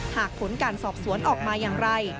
ผลการสอบสวนออกมาอย่างไร